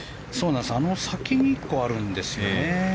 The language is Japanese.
あの先に１個あるんですよね。